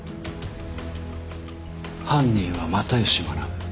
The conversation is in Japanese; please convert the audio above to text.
犯人は又吉学。